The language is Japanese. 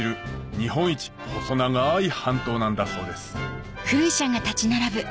日本一細長い半島なんだそうです